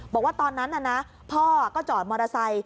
บอกว่าตอนนั้นน่ะนะพ่อก็จอดมอเตอร์ไซค์